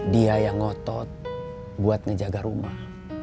dia yang ngotot buat ngejaga rumah